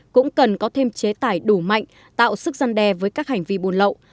cũng cần có thêm chế tải đủ mạnh tạo sức gian đe với các hành vi buôn lậu